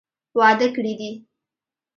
واده کړي دي.